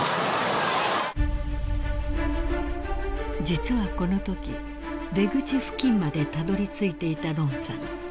［実はこのとき出口付近までたどり着いていたロンさん］